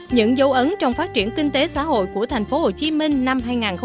những dấu ấn trong phát triển kinh tế xã hội của thành phố hồ chí minh năm hai nghìn một mươi bảy